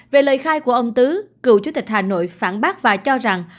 về lời khai của ông tứ cựu chủ tịch hà nội phản bác và cho rằng